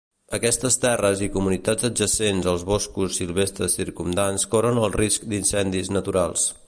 Aquestes terres i comunitats adjacents als boscos silvestres circumdants corren el risc d'incendis naturals.